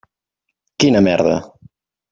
Quina merda!